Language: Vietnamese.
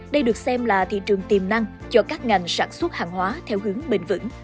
đây được xem là thị trường tiềm năng cho các ngành sản xuất hàng hóa theo hướng bền vững